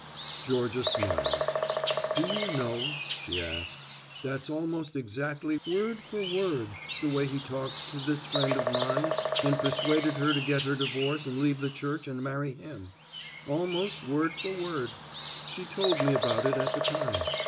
Georgia smiled. "Do you know," she asked, "that's almost exactly word for word the way he talked to this friend of mine and persuaded her to get her divorce and leave the Church and marry him almost word for word she told me about it at the time.